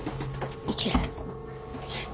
いける！